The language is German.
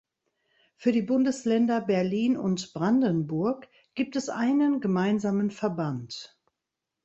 Für die Bundesländer Berlin und Brandenburg gibt es einen gemeinsamen Verband.